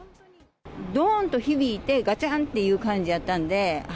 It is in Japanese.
どーんと響いて、がちゃんっていう感じやったんで。